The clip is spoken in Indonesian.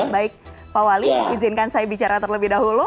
baik pak wali izinkan saya bicara terlebih dahulu